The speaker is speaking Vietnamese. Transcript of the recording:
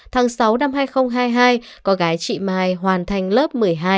tháng sáu năm hai nghìn hai mươi hai con gái chị mai hoàn thành lớp một mươi hai